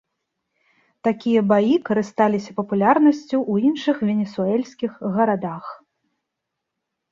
Такія баі карысталіся папулярнасцю ў іншых венесуэльскіх гарадах.